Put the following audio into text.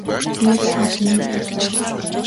Тэгээд цааш нь юу байв?